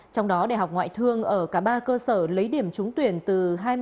trong đó đại học ngoại thương ở cả ba cơ sở lấy điểm trúng tuyển từ hai mươi hai sáu mươi năm